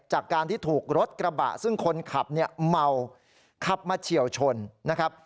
จากการที่ถูกรถกระบะซึ่งคนขับเนี่ยเมาขับมาเฉียวชนนะครับ